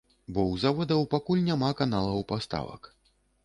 Бо ў заводаў пакуль няма каналаў паставак.